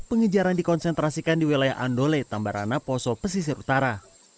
pengejaran dikonsentrasikan di wilayah andole tambarana poso pesisir utara